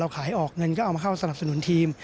ขายออกเงินก็เอามาเข้าสนับสนุนทีม